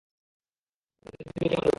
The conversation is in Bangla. কি তুমি কেমন বেকুব?